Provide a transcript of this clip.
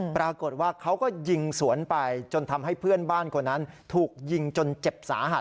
ปรากฏว่าเขาก็ยิงสวนไปจนทำให้เพื่อนบ้านคนนั้นถูกยิงจนเจ็บสาหัส